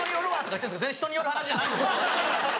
言ってるんですけど全然人による話じゃない。